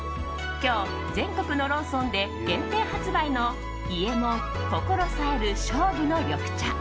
今日全国のローソンで限定発売の伊右衛門心冴える勝負の緑茶。